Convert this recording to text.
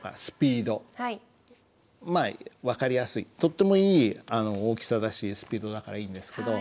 まあ分かりやすいとってもいい大きさだしスピードだからいいんですけど。